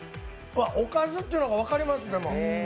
おかずっていうのが分かります。